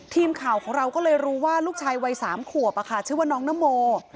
ทีมข่าวของเราก็เลยรู้ว่าลูกชายวัย๓ขวบชื่อว่าน้องนโม